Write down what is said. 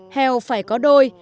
hèo phải có đôi